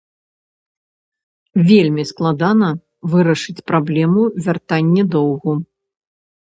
Вельмі складана вырашыць праблему вяртанне доўгу.